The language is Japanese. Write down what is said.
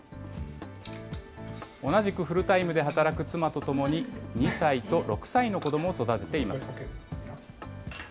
同じくフルタイムで働く妻とともに、２歳と６歳の子どもを育てています。